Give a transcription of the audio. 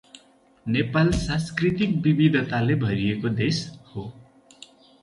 नेपाल सांस्कृतिक विविधताले भरिएको देश हो।